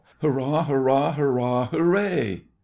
Hurrah! hurrah! hurrah! hurray!